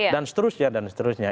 dan seterusnya dan seterusnya